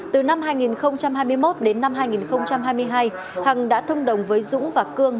từ năm hai nghìn hai mươi một đến năm hai nghìn hai mươi hai hằng đã thông đồng với dũng và cương